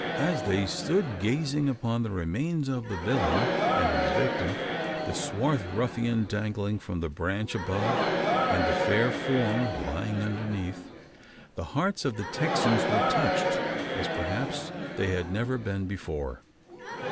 As they stood gazing upon the remains of the villain, and his victim the swarth ruffian dangling from the branch above, and the fair form lying underneath the hearts of the Texans were touched as perhaps they had never been before.